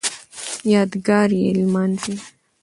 یادګار یې نمانځي